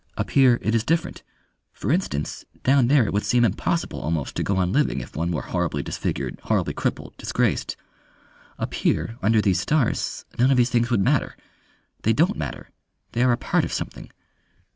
"Up here it is different. For instance, down there it would seem impossible almost to go on living if one were horribly disfigured, horribly crippled, disgraced. Up here under these stars none of those things would matter. They don't matter.... They are a part of something.